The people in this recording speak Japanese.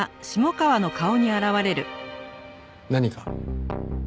何か？